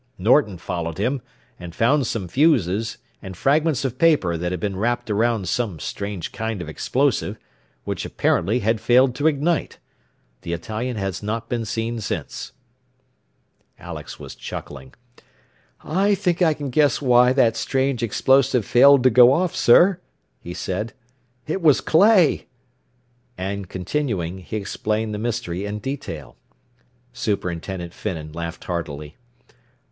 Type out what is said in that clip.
Norton followed him, and found some fuses, and fragments of paper that had been wrapped about some strange kind of explosive, which apparently had failed to ignite. The Italian has not been seen since." Alex was chuckling. "I think I can guess why that 'strange explosive' failed to go off, sir," he said. "It was clay." And continuing, he explained the mystery in detail. Superintendent Finnan laughed heartily.